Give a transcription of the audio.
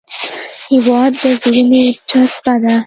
هېواد د زړونو جذبه ده.